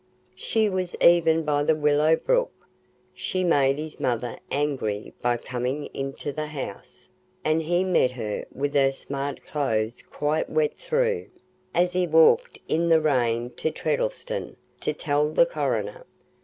She was even by the Willow Brook; she made his mother angry by coming into the house; and he met her with her smart clothes quite wet through, as he walked in the rain to Treddleston, to tell the coroner.